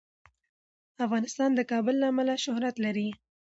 افغانستان د کابل له امله شهرت لري.